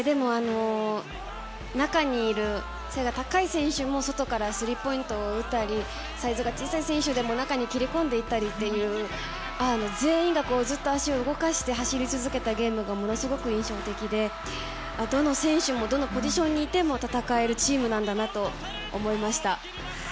中にいる背が高い選手も外からスリーポイントを打ったりサイズが小さい選手でも中に切り込んでいったりと全員がずっと足を動かして走り続けたゲームがものすごく印象的でどの選手もどのポジションにいても戦えるチームなんだなと思いました。